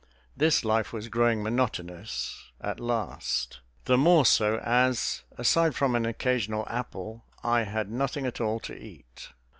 This life was growing monotonous at last; the more so as, aside from an occasional apple, I had nothing at all to eat.